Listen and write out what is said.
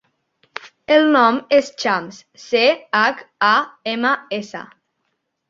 El nom és Chams: ce, hac, a, ema, essa.